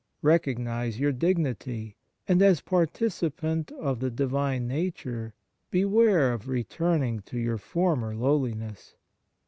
Recognize your dignity, and as participant of the Divine Nature beware of returning to your former lowliness.